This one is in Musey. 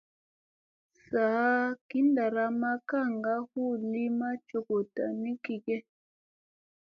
Saa gi ɗaramma kaŋga hu limi jogoɗta ni gege ?